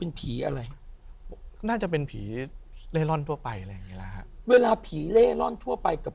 นะน่าจะเป็นพีชเร่ร่อนทั่วไปเลยเวลาพี่เร่ร่อนทั่วไปกับ